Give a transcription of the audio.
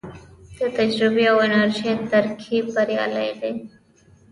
د تجربې او انرژۍ ترکیب بریالی دی